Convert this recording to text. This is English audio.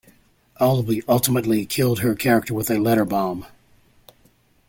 Albie ultimately killed her character with a letter bomb.